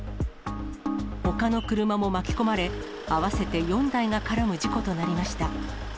ほかの車も巻き込まれ、合わせて４台が絡む事故となりました。